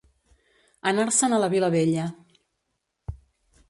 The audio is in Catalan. Anar-se'n a la Vilavella.